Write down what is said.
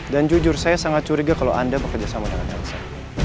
dan jujur saya sangat curiga kalau anda bekerja sama dengan elsa